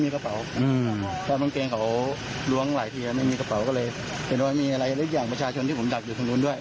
กลัวว่าถ้าเกิดเหตุอะไรขึ้นมาเป็นคนเดียวด้วยก่อนเลย